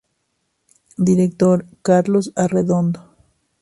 Director: Carlos Arredondo.